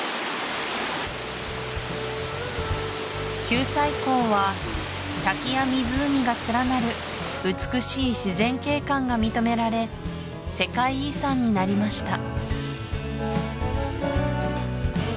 九寨溝は滝や湖が連なる美しい自然景観が認められ世界遺産になりました